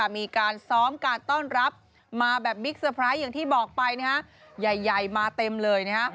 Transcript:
มาแบบบิ๊กสเฟรัสอย่างที่บอกไปใหญ่มาเต็มเลยนะครับ